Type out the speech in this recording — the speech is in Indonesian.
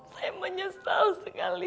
saya menyesal sekali